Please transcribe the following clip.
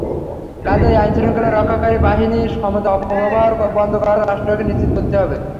কাজেই আইনশৃঙ্খলা রক্ষাকারী বাহিনীর ক্ষমতার অপব্যবহার বন্ধ করাটা রাষ্ট্রকে নিশ্চিত করতে হবে।